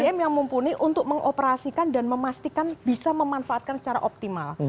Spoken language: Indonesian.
bm yang mumpuni untuk mengoperasikan dan memastikan bisa memanfaatkan secara optimal